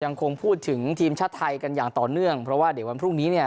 ยังคงพูดถึงทีมชาติไทยกันอย่างต่อเนื่องเพราะว่าเดี๋ยววันพรุ่งนี้เนี่ย